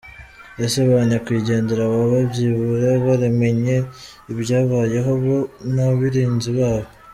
Ese ba Nyakwigendera baba byibura baramenye ibyababayeho bo n’abarinzi babo?